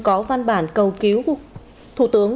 có văn bản cầu cứu thủ tướng